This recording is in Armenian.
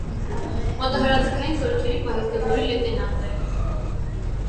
Մոտոհրաձգային զորքերի պահեստազորի լեյտենանտ է։